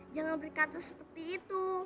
jangan berkata seperti itu